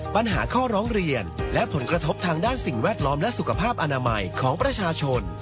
ปัญหาข้อร้องเรียนและผลกระทบทางด้านสิ่งแวดล้อมและสุขภาพอนามัยของประชาชน